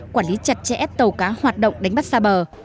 quản lý chặt chẽ tàu cá hoạt động đánh bắt xa bờ